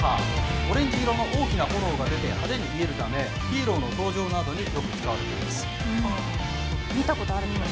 オレンジ色の大きな炎が出て、派手に見えるため、ヒーローの登場などによく使われています。